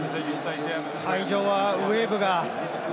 会場はウェーブが。